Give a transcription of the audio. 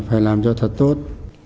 phải làm cho thật tốt